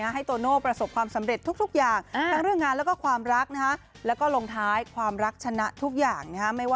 ให้โตโน่ประสบความสำเร็จทุกอย่าง